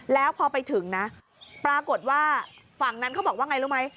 แล้วพอไปถึงนะปรากฏว่าฝั่งนั้นเขาบอกว่าไงรู้ไหม